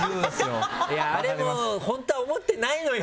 いや、あれも本当は思ってないのよ。